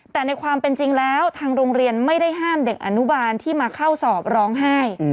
แต่ในความเป็นจริงแล้วทางโรงเรียนไม่ได้ห้ามเด็กอนุบาลที่มาเข้าสอบร้องไห้